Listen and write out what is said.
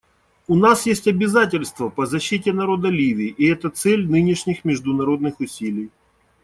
У нас есть обязательства по защите народа Ливии, и это цель нынешних международных усилий.